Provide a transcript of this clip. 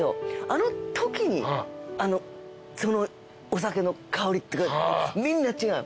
あのときにそのお酒の香りっていうかみんな違うの。